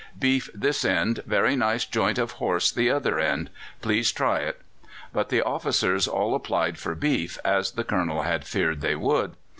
Beef this end, very nice joint of horse the other end. Please try it." But the officers all applied for beef, as the Colonel had feared they would.